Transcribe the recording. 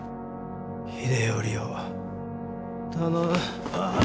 秀頼を頼む。